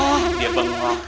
wah dia penguat